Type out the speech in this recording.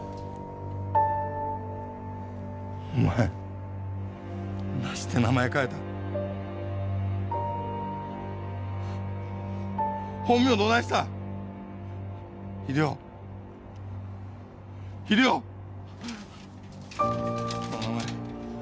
お前なして名前変えた本名どないした秀夫秀夫その名前